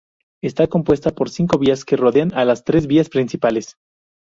Está compuesta por cinco vías que rodean a las tres vías principales.